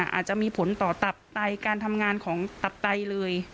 อาจจะมีผลต่อตับไตการทำงานของตับไตเลย